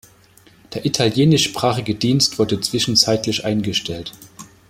Der italienischsprachige Dienst wurde zwischenzeitlich eingestellt.